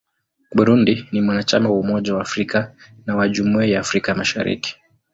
Burundi ni mwanachama wa Umoja wa Afrika na wa Jumuiya ya Afrika Mashariki.